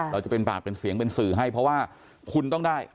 เราจะเป็นปากเป็นเสียงเป็นสื่อให้เพราะว่าคุณต้องได้